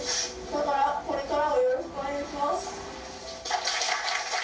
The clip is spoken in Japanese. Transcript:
だからこれからもよろしくお願い